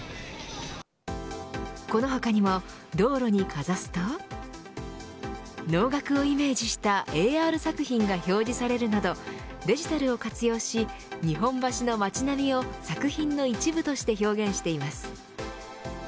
この他にも道路にかざすと能楽をイメージしたＡＲ作品が表示されるなどデジタルを活用し日本橋の町並みを作品の一部として表現しています。